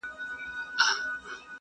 او چي سېل سي د پیل زور نه په رسیږي -